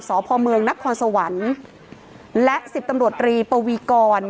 สพเมืองนครสวรรค์และสิบตำรวจรีปวีกร